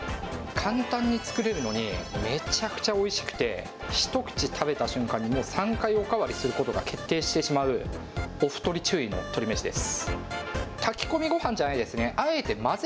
簡単に作れるのに、めちゃくちゃおいしくて、一口食べた瞬間に３回お代わりすることが決定してしまう、お太り注意の鶏めしです。